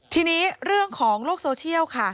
ทีนี้เรื่องของโลกโซเชียลค่ะ